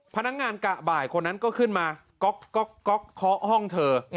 พนักงานกะบ่ายคนนั้นก็ขึ้นมาก๊อกก๊อกก๊อกค้อห้องเธอ